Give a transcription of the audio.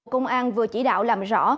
công an vừa chỉ đạo làm rõ